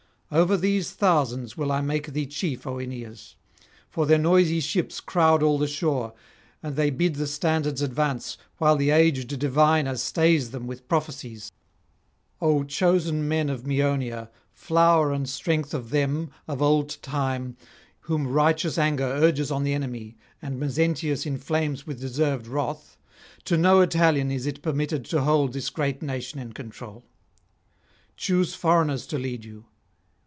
Over these thousands will I make thee chief, O Aeneas; for their noisy ships crowd all the shore, and they bid the standards advance, while the aged diviner stays them with prophecies: "O chosen men of Maeonia, flower and strength of them, of old time, whom righteous anger urges on the enemy, and Mezentius inflames with deserved wrath, to no Italian is it permitted to hold this great nation in control: choose foreigners to lead you."